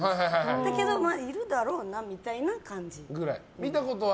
だけど、いるだろうなみたいな感じ。